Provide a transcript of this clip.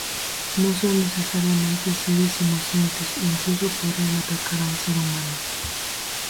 No son necesariamente seres inocentes, e incluso podrían atacar a un ser humano.